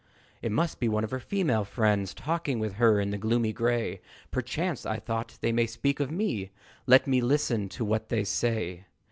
It must be one of her female friends, Talking with her in the gloaming gray; Perchance I thought they may speak of me; Let me listen to what they say.